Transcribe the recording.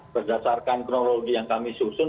berdasarkan kronologi yang kami susun